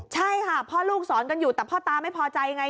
ใช่ค่ะพ่อลูกสอนกันอยู่แต่พ่อตาไม่พอใจไง